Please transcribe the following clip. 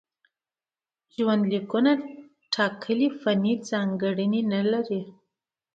ژوندلیکونه ټاکلې فني ځانګړنې نه لري.